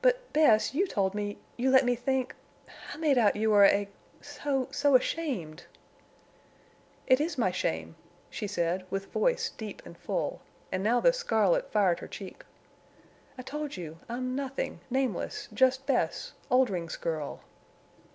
"But Bess, you told me—you let me think—I made out you were—a—so—so ashamed." "It is my shame," she said, with voice deep and full, and now the scarlet fired her cheek. "I told you—I'm nothing—nameless—just Bess, Oldring's girl!"